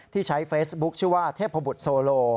ที่ใช้เฟซบุ๊คชื่อว่าเทพบุตรโซโล